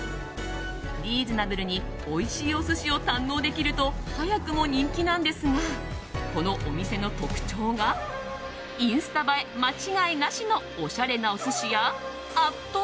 リーズナブルにおいしいお寿司を堪能できると早くも人気なんですがこのお店の特徴がインスタ映え間違いなしのおしゃれなお寿司やあっと